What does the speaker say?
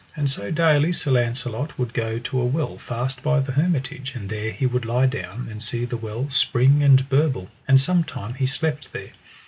And so daily Sir Launcelot would go to a well fast by the hermitage, and there he would lie down, and see the well spring and burble, and sometime he slept there.